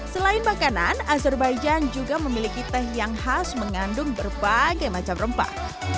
selain makanan azerbaijan juga memiliki teh yang khas mengandung berbagai macam rempah